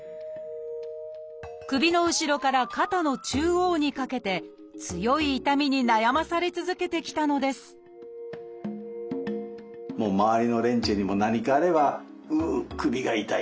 首の後ろから肩の中央にかけて強い痛みに悩まされ続けてきたのです周りの連中にも何かあれば「うう首が痛い。